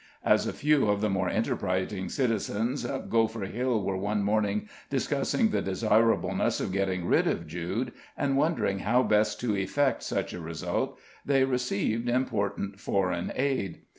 As a few of the more enterprising citizens of Gopher Hill were one morning discussing the desirableness of getting rid of Jude, and wondering how best to effect such a result, they received important foreign aid.